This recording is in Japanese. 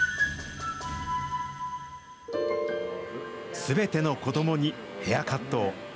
すべての子どもにヘアカットを。